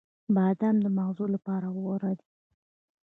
• بادام د مغزو لپاره غوره دی.